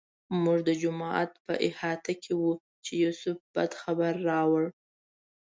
موږ د جومات په احاطه کې وو چې یوسف بد خبر راوړ.